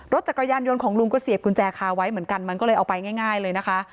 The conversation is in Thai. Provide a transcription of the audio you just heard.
รถจักรยานยนต์ของลุงก็เสียบกุญแจคาไว้เหมือนกันมันก็เลยเอาไปง่ายเลยนะคะ